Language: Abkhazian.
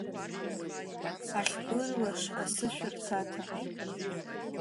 Ахь-бырлаш, асы шәырҭаҭа…